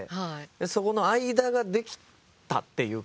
そこの間ができたっていう感じ。